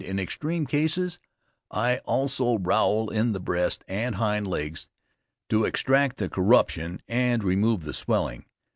In extreme cases, I also rowel in the breast and hind legs, to extract the corruption and remove the swelling.